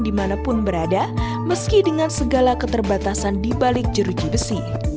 di mana pun berada meski dengan segala keterbatasan dibalik jeruji besi